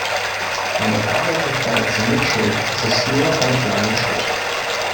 Von der Fahrlässigkeit zur Mitschuld ist es ist nur ein kleiner Schritt.